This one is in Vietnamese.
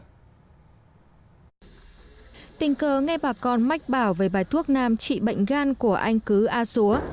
hứa nghe bà con mách bảo về bài thuốc nam trị bệnh gan của anh cứ a xúa